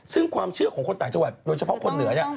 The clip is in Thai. ซึ่งความเชื่อของคนต่างจังหวัดโดยเฉพาะคนเหนือเนี่ย